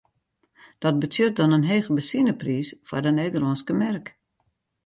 Dat betsjut dan in hege benzinepriis foar de Nederlânske merk.